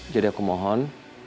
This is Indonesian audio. jadi aku mohon